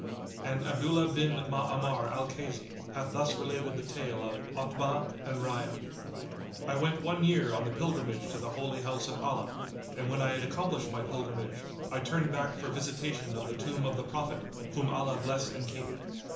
And Abdullah bin Ma'amar al Kaysi hath thus related the tale of OTBAH[FN#79] AND RAYYA. I went one year on the pilgrimage to the Holy House of Allah, and when I had accomplished my pilgrimage, I turned back for visitation of the tomb of the Prophet, whom Allah bless and keep!